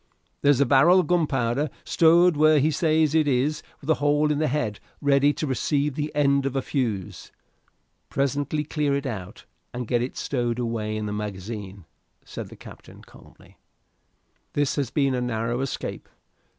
"There's a barrel of gunpowder stowed where he says it is with a hole in the head ready to receive the end of a fuse." "Presently clear it out, and get it stowed away in the magazine," said the captain, calmly. "This has been a narrow escape.